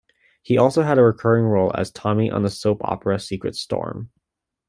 He also had a recurring role as Tommy on the soap opera "Secret Storm".